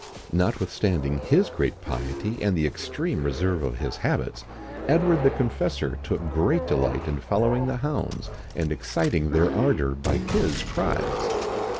[XIX 42] Notwithstanding his great piety, and the extreme reserve of his habits, Edward the Confessor took great delight in following the hounds, and exciting their ardour by his cries.